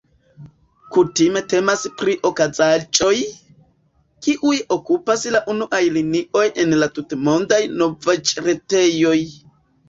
Kutime temas pri okazaĵoj, kiuj okupas la unuajn liniojn en la tutmondaj novaĵretejoj.